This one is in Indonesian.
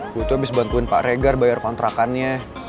gue tuh abis bantuin pak regar bayar kontrakannya